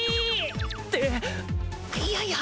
っていやいや